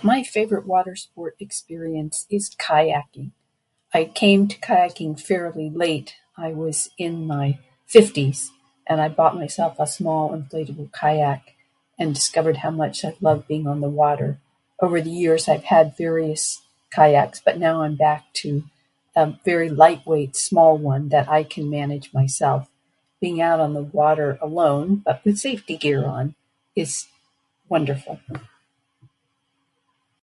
My favourite watersport experience is kayaking. I came to kayaking fairly late. I was in my 50s and I bought myself a small inflatable kayak and discovered how much I loved being on the water. Over the years I've had various kayaks but now I'm back to a very lightweight small one that I can manage myself. Being out on the water alone but with safety gear on is wonderful.